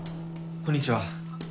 こんにちは。